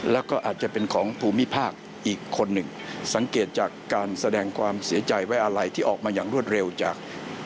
แล้วก็อาจจะเป็นของภูมิภาคอีกคนหนึ่งสังเกตจากการแสดงความเสียใจไว้อะไรที่ออกมาอย่างรวดเร็วจาก